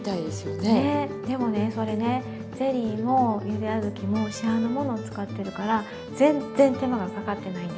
ねでもねそれねゼリーもゆであずきも市販のものを使ってるから全然手間がかかってないんです。